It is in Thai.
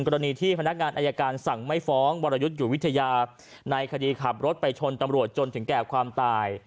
กรณีที่พนักงานอายการสั่งไม่ฟ้องวรยุทธ์อยู่วิทยาในคดีขับรถไปชนตำรวจจนถึงแก่ความตาย